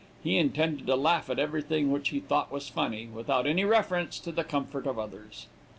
He intended to laugh at everything which he thought was funny, without any reference to the comfort of others.